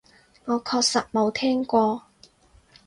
我確實冇聽過